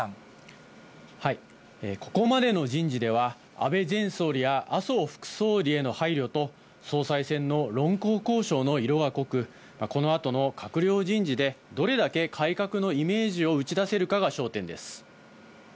ここまでの人事では、安倍前総理や麻生副総理への配慮と、総裁選の論功行賞の色が濃く、このあとの閣僚人事で、どれだけ改革のイメージを打ち出せるかが焦点です。